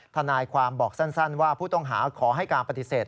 ทนายความบอกสั้นว่าผู้ต้องหาขอให้การปฏิเสธ